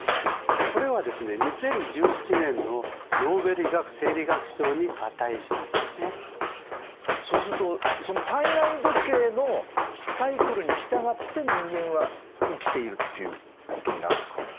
これはですねそうするとその体内時計のサイクルに従って人間は生きているっていうことになるんですかね？